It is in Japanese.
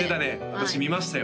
私見ましたよ